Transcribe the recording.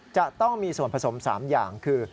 จะต้องมีส่วนผสม๓อย่างคือ